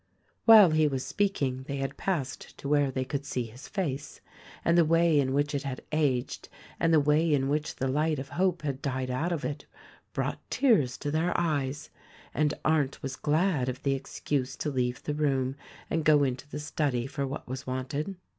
While he was speaking they had passed to where they could see his face; and the way in which it had aged, and the way in which the light of hope had died out of it, brought tears to their eyes — and Arndt was glad of the excuse to leave the room and go into the study for what was wanted.